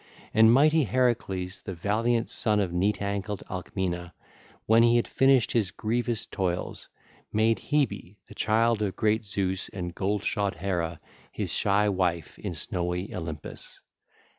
(ll. 950 955) And mighty Heracles, the valiant son of neat ankled Alcmena, when he had finished his grievous toils, made Hebe the child of great Zeus and gold shod Hera his shy wife in snowy Olympus.